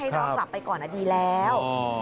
ให้น้องกลับไปก่อนอ่ะดีแล้ว